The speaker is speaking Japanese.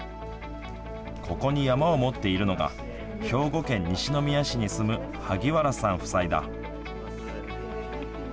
ここに山を持っているのが兵庫県西宮市に住む萩原さん夫妻だ。